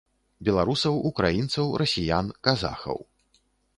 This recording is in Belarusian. Беларусаў, украінцаў, расіян, казахаў.